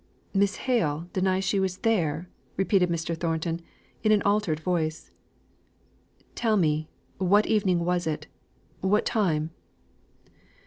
"Miss Hale denies she was there!" repeated Mr. Thornton in an altered voice. "Tell me, what evening was it? What time?"